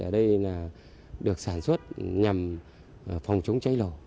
đây là được sản xuất nhằm phòng chống cháy lổ